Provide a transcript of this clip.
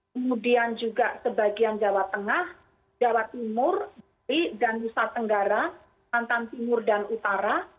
kemudian juga sebagian jawa tengah jawa timur jawa tenggara tantan timur dan utara